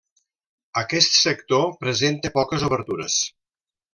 Aquest sector presenta poques obertures.